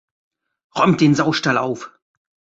Räumt den Saustall auf!